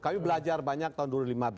kami belajar banyak tahun dua ribu lima belas